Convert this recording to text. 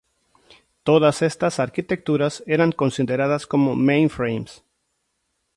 Todas estas arquitecturas eran consideradas como mainframes.